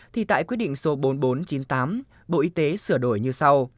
thì tại quyết định số bốn nghìn bốn trăm chín mươi tám bộ y tế sửa đổi như sau